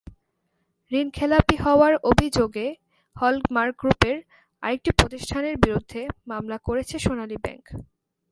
ঋণখেলাপি হওয়ার অভিযোগে হল-মার্ক গ্রুপের আরেকটি প্রতিষ্ঠানের বিরুদ্ধে মামলা করেছে সোনালী ব্যাংক।